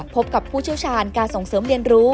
พบกับผู้เชี่ยวชาญการส่งเสริมเรียนรู้